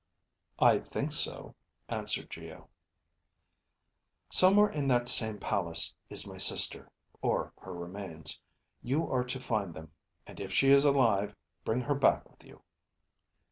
"I think so," answered Geo. "Somewhere in that same palace is my sister, or her remains. You are to find them, and if she is alive, bring her back with you."